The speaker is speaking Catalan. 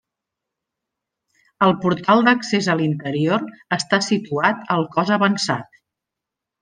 El portal d'accés a l'interior està situat al cos avançat.